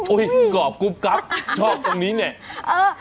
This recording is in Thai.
กรอบกรุ๊บกรับชอบตรงนี้เนี่ย